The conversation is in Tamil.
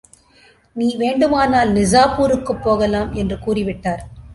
நீ வேண்டுமானால் நிசாப்பூருக்குப் போகலாம் என்று கூறிவிட்டார்.